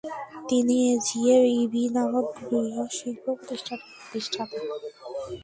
তিনি এজিএ এবি নামক বৃহঃ শিল্প প্রতিষ্ঠান প্রতিষ্ঠা করেন।